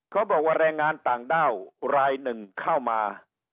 เขาบอกว่าแรงงานต่างด้าวรายหนึ่งเข้ามา